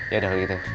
ya udah nggak gitu